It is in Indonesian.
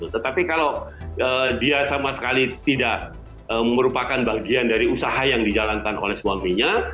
tetapi kalau dia sama sekali tidak merupakan bagian dari usaha yang dijalankan oleh suaminya